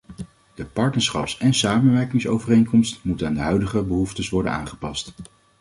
De partnerschaps- en samenwerkingsovereenkomst moet aan de huidige behoeftes worden aangepast.